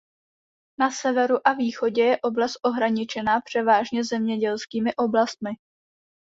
Na severu a východě je oblast ohraničená převážně zemědělskými oblastmi.